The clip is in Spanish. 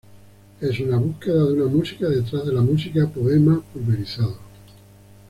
Es una búsqueda de una música detrás de la música: poema pulverizado.